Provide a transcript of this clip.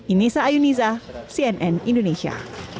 inisa ayuniza cnn indonesia